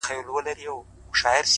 په سپوږمۍ كي زمـــا ژوندون دى.!